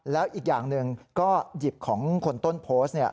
แล้วอีกอย่างหนึ่งก็หยิบของคนต้นโพสต์